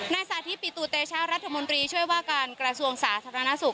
สาธิตปิตุเตชะรัฐมนตรีช่วยว่าการกระทรวงสาธารณสุข